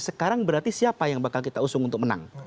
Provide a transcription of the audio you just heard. sekarang berarti siapa yang bakal kita usung untuk menang